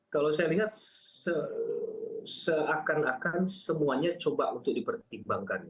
kalau saya lihat seakan akan semuanya coba untuk dipertimbangkan